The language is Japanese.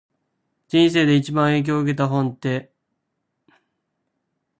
人生で一番影響を受けた本って、何だったかすぐに答えられる？